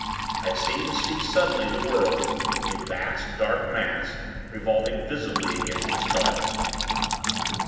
I seemed to see, suddenly, the world a vast, dark mass revolving visibly against the stars.